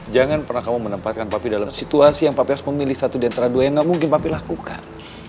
jangan pernah kamu menempatkan papi dalam situasi yang papi harus memilih satu di antara dua yang gak mungkin papi lakukan